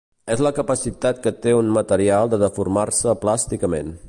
És la capacitat que té un material de deformar-se plàsticament.